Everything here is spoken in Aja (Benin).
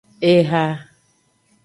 Eha.